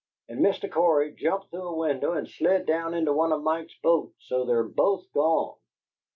And Mr. Cory jumped through a window and slid down into one of Mike's boats, so they'd both gone.